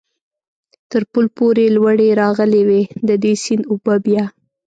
تر پل پورې لوړې راغلې وې، د دې سیند اوبه بیا.